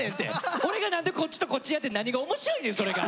俺が何でこっちとこっちやって何が面白いねんそれが！